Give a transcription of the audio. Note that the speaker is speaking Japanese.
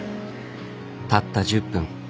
たった１０分。